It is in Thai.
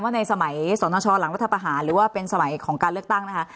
ว่าในสมัยสองท้อนช้อหลังวัฒนภาหาหรือว่าเป็นสมัยของการเลือกตั้งนะคะ